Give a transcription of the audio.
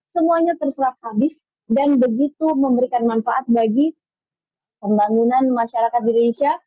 semuanya terserap habis dan begitu memberikan manfaat bagi pembangunan masyarakat di indonesia